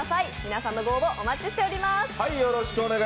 皆さんのご応募をお待ちしています。